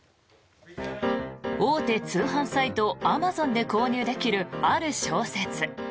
大手通販サイト、アマゾンで購入できるある小説。